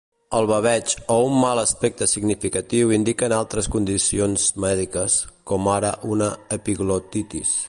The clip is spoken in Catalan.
El baveig o un mal aspecte significatiu indiquen altres condicions mèdiques, com ara una epiglotitis.